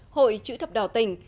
hội chữ thập đỏ tỉnh